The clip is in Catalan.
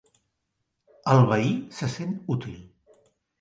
El veí se sent útil.